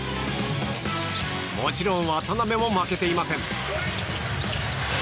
もちろん渡邊も負けていません。